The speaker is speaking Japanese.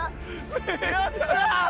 よっしゃー！